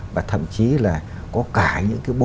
và thậm chí là có cả những cái bộ